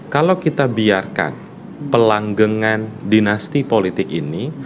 kalau kita biarkan pelanggengan dinasti politik ini